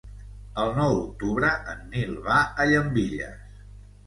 El nou d'octubre en Nil va a Llambilles.